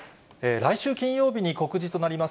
来週金曜日に告示となります